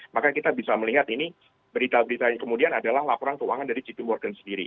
maka kita bisa melihat ini berita berita yang kemudian adalah laporan keuangan dari gp morgan sendiri